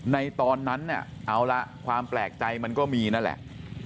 ในตอนนั้นเนี่ยเอาละความแปลกใจมันก็มีนั่นแหละ